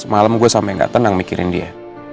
semalam gua sampe gak tenang mikirin dia